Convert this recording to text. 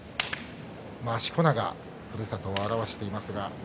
しこ名がふるさとを表しています。